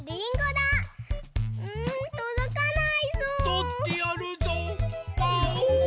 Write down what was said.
とってやるぞうパオーン！